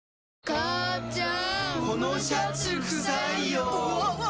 母ちゃん！